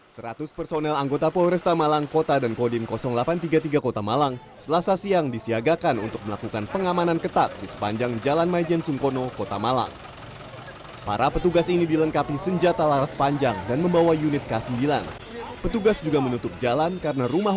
masyarakat yang kemarin mencoba mengambil paksa jenazah